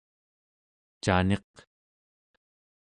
caniq